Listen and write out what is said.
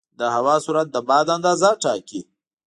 د هوا سرعت د باد اندازه ټاکي.